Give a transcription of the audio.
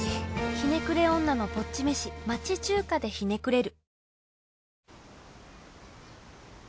『ひねくれ女のボッチ飯』「町中華でひねくれる」。